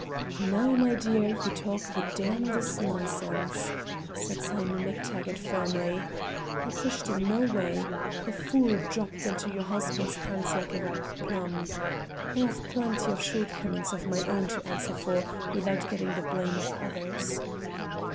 "Now, my dear, you talk the damnedest nonsense!" said Simon MacTaggart firmly. "I pushed in no way; the fool dropped into your husband's hands like a ripe plum. I have plenty of shortcomings of my own to answer for without getting the blame of others."